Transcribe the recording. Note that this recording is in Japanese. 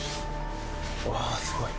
すごい。